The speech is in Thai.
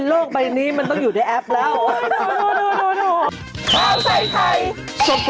โลกใบนี้มันต้องอยู่ในแอปแล้ว